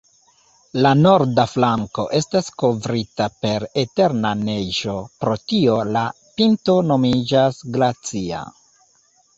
La norda flanko estas kovrita per eterna neĝo, pro tio la pinto nomiĝas glacia.